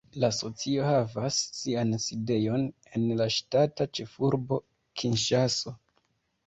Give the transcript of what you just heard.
La asocio havas sian sidejon en la ŝtata ĉefurbo Kinŝaso.